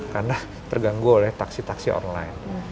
karena terganggu oleh taksi taksi online